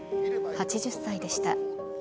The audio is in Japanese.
８０歳でした。